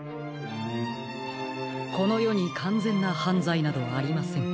このよにかんぜんなはんざいなどありません。